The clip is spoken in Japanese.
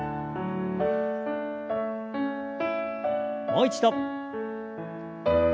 もう一度。